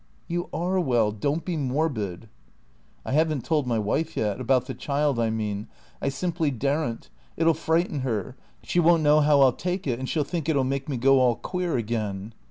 "You are well. Don't be morbid." "I haven't told my wife yet. About the child, I mean. I simply daren't. It'll frighten her. She won't know how I'll take it, and she'll think it'll make me go all queer again."